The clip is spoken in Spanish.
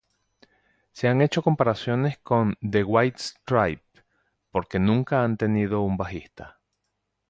Se han hecho comparaciones con The White Stripes, porque nunca han tenido un bajista.